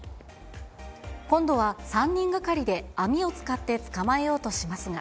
今度は３人がかりで網を使って捕まえようとしますが。